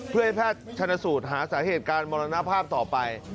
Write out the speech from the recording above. เพื่อให้แพทย์ชนสูตรหาสาเหตุการมรณภาพต่อไป